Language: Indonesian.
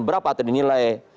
berapa tadi nilai